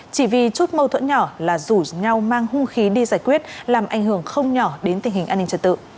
chỉ vì chút mâu thuẫn nhỏ là rủ nhau mang hung khí đi giải quyết làm ảnh hưởng không nhỏ đến tình hình an ninh trật tự